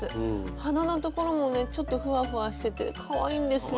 鼻のところもねちょっとフワフワしててかわいいんですよ。